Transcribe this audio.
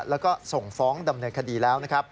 และส่งฟ้องดำเนินคดีแล้ว